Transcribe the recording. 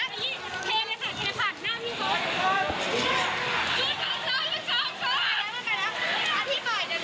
สวัสดีครับทุกคน